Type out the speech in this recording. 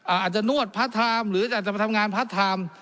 อาจจะนวดพาร์ทไทม์หรืออาจจะมาทำงานพาร์ทไทม์